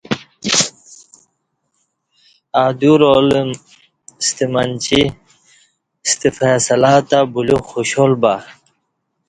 ادیو رالہ ستہ منچی ستہ فیصلہ تہ بلیوک خوشحال بہ